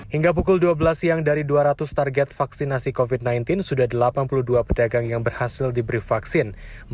hingga pukul dua belas siang dari dua ratus target vaksinasi covid sembilan belas sudah delapan puluh dua pedagang yang berhasil diberi vaksin